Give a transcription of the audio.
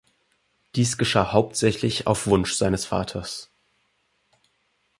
Dies geschah hauptsächlich auf Wunsch seines Vaters.